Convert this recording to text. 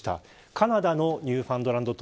カナダのニューファンドランド島